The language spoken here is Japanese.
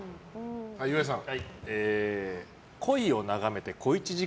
岩井さん。